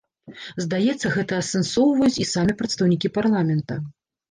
Здаецца, гэта асэнсоўваюць і самі прадстаўнікі парламента.